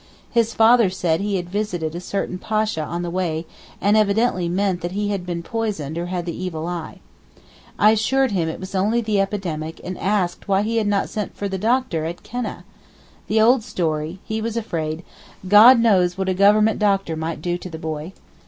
His father said he had visited a certain Pasha on the way and evidently meant that he had been poisoned or had the evil eye. I assured him it was only the epidemic and asked why he had not sent for the doctor at Keneh. The old story! He was afraid, 'God knows what a government doctor might do to the boy.